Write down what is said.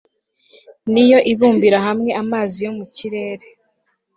ni yo ibumbira hamwe amazi yo mu kirere